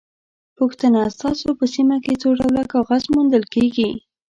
پوښتنه: ستاسو په سیمه کې څو ډوله کاغذ موندل کېږي؟